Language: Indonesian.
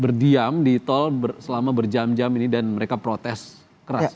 berdiam di tol selama berjam jam ini dan mereka protes keras